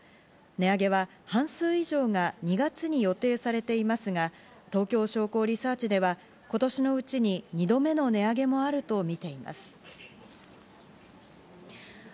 値上げは半数以上が２月に予定されていますが、東京商工リサーチでは今年のうちに２度目の値上げもあるとみています。